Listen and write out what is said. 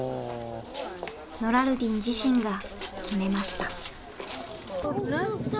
ノラルディン自身が決めました。